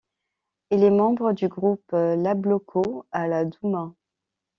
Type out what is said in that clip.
Il est membre du groupe Iabloko à la Douma.